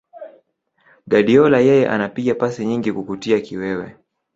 Guardiola yeye anapiga pasi nyingi kukutia kiwewe